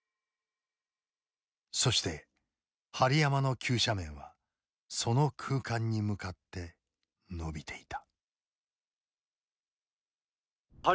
そして針山の急斜面はその空間に向かって伸びていた。